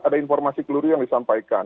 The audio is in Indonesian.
ada informasi keluri yang disampaikan